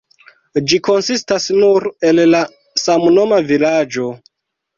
Ĝi konsistas nur el la samnoma vilaĝo.